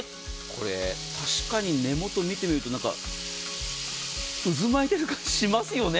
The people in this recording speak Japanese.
これ、確かに根元を見てみると渦巻いている感じしますよね。